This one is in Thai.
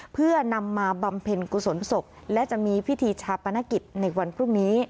เพื่อนำมาบำเพ็ญกุศลศพและจะมีพิธีชาปนกิจในวันพรุ่งนี้